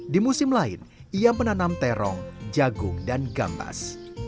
di musim lain ia menanam terong jagung dan gambas